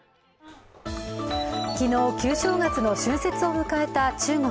昨日、旧正月の春節を迎えた中国。